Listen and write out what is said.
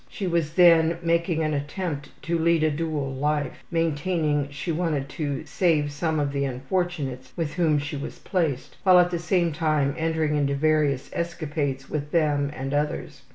She was then making an attempt to lead a dual life, maintaining she wanted to save some of the unfortunates with whom she was placed, while at the same time entering into various escapades with them and others.